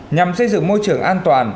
nhằm xây dựng môi trường an toàn